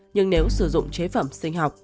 nhưng nếu sử dụng chế phẩm sinh học